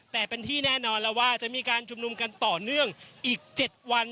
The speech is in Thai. แต่เป็นที่แน่นอนแล้วว่าจะมีการชุมนุมกันต่อเนื่องอีก๗วัน